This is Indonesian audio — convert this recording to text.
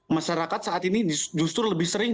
masyarakat saat ini justru lebih sering